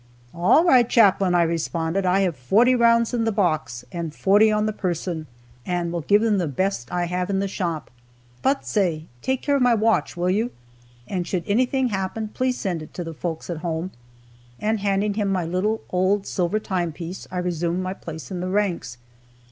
"All right, Chaplain," I responded; "I have forty rounds in the box, and forty on the person, and will give them the best I have in the shop. But, say! Take care of my watch, will you? And, should anything happen, please send it to the folks at home;" and handing him my little old silver time piece, I resumed my place in the ranks.